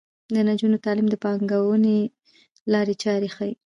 د نجونو تعلیم د پانګونې لارې چارې ښيي.